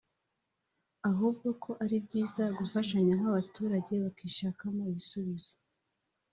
ahubwo ko ari byiza gufashanya nk’abaturage bakishakamo ibisubizo